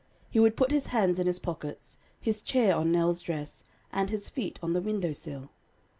He would put his hands in his pockets, his chair on Nell's dress, and his feet on the window sill.